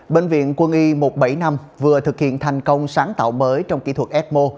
bệnh viện quân y một trăm bảy mươi năm vừa thực hiện thành công sáng tạo mới trong kỹ thuật ecmo